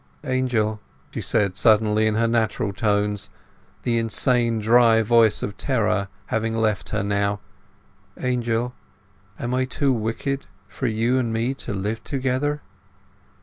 "Angel," she said suddenly, in her natural tones, the insane, dry voice of terror having left her now. "Angel, am I too wicked for you and me to live together?"